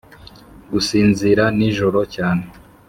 gusinzira nijoro cyane,